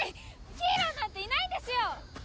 ヒーローなんていないんですよ！